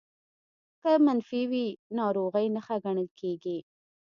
که منفي وي ناروغۍ نښه ګڼل کېږي